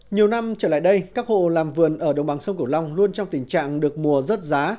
nhiều năm trở lại đây các hộ làm vườn ở đồng bằng sông cửu long luôn trong tình trạng được mùa rớt giá